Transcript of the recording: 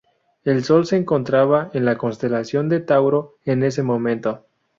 El sol se encontraba en la constelación de Tauro en ese momento.